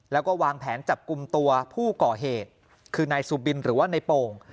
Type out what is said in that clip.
แล้วก็วางแผนจับกลุ่มตัวผู้ก่อเหตุคือนายซูบินหรือว่าในโป่ง